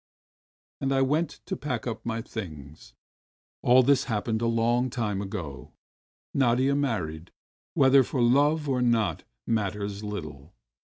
... And I went to pack up my things. All this hap pened a long time ago. Nadia married, whether for love or not matters Uttle.